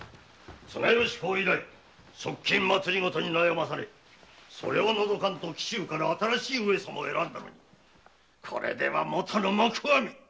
綱吉公以来側近政に悩まされそれを除かんと紀州から新しい上様を選んだのにこれでは「元の木阿弥」！